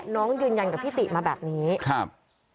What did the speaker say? น้องยืนยันกับพี่ติมาแบบนี้ครับ